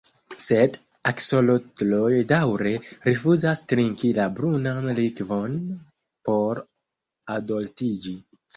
Sed aksolotloj daŭre rifuzas trinki la brunan likvon por adoltiĝi.